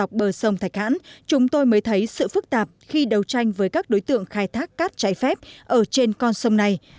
học bờ sông thạch hãn chúng tôi mới thấy sự phức tạp khi đấu tranh với các đối tượng khai thác cát trái phép ở trên con sông này